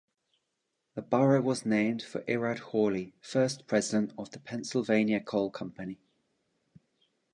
The borough was named for Irad Hawley, first president of the Pennsylvania Coal Company.